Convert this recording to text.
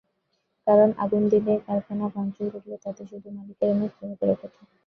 কারণ আগুন দিলে, কারখানা ভাঙচুর করলে, তাতে শুধু মালিক নয়, শ্রমিকেরও ক্ষতি।